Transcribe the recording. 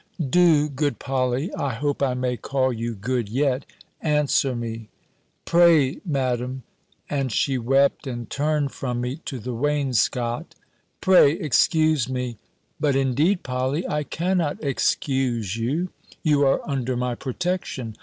"Do, good Polly (I hope I may call you good yet!), answer me." "Pray, Madam!" and she wept, and turned from me, to the wainscot "Pray, excuse me." "But, indeed, Polly, I cannot excuse you. You are under my protection.